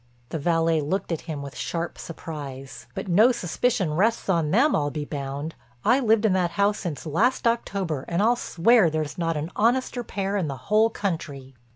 The valet looked at him with sharp surprise: "But no suspicion rests on them, I'll be bound. I lived in that house since last October and I'll swear that there's not an honester pair in the whole country."